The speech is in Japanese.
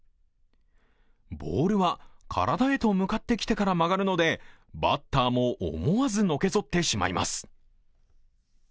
ボールは体へと向かってきてから曲がるのでバッターも思わずのけぞってしまいます。